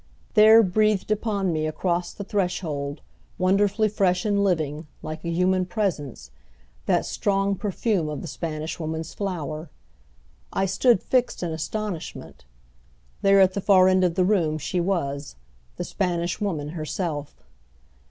There breathed upon me across the threshold, wonderfully fresh and living, like a human presence, that strong perfume of the Spanish Woman's flower. I stood fixed in astonishment. There at the far end of the room she was, the Spanish Woman herself.